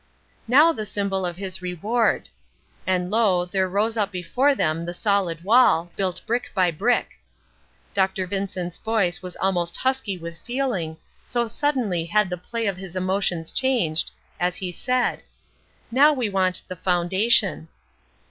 "Now the symbol of his reward," and lo, there rose up before them the solid wall, built brick by brick. Dr. Vincent's voice was almost husky with feeling, so suddenly had the play of his emotions changed, as he said: "Now we want the foundation."